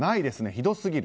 ひどすぎる。